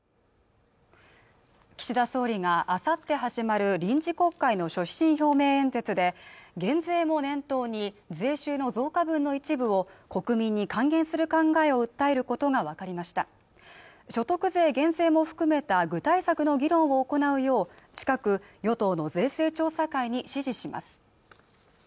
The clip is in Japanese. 岸田総理があさって始まる臨時国会の所信表明演説で減税も念頭に税収の増加分の一部を国民に還元する考えを訴えることが分かりました所得税減税も含めた具体策の議論を行うよう近く与党の税制調査会に指示します